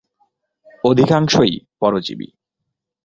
অধিকাংশই পরজীবী।